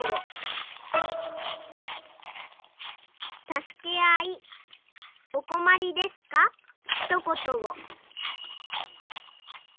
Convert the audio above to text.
「たすけあいおこまりですかひとことを」。